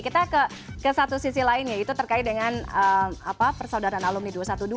kita ke satu sisi lain yaitu terkait dengan persaudaraan alumni dua ratus dua belas